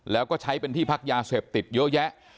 แล้วก็ใช้เป็นที่พักยาเสพติดเยอะแยะ